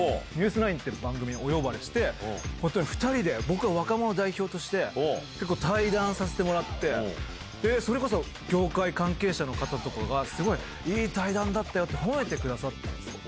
９って番組にお呼ばれして、本当に２人で、僕は若者代表として結構対談させてもらって、それこそ業界関係者の方とかが、すごいいい対談だったよって褒めてくださったんですよ。